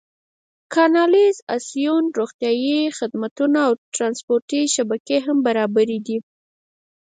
کانالیزاسیون، روغتیايي خدمتونه او ټرانسپورتي شبکې هم برابرې دي.